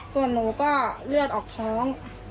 ส่วนหนูก็เลือดออกท้อง